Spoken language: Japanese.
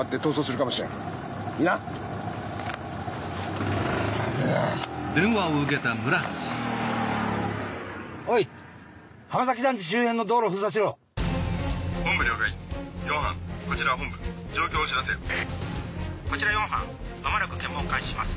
間もなく検問を開始します。